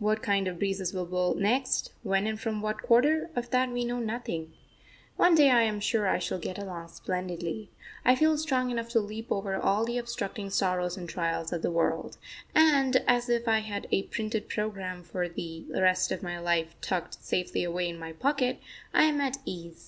What kind of breezes will blow next, when and from what quarter of that we know nothing. One day I am sure I shall get along splendidly; I feel strong enough to leap over all the obstructing sorrows and trials of the world; and, as if I had a printed programme for the rest of my life tucked safely away in my pocket, I am at ease.